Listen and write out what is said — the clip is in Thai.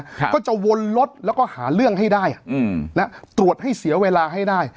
ครับก็จะวนรถแล้วก็หาเรื่องให้ได้อืมนะตรวจให้เสียเวลาให้ได้